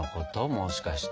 もしかして。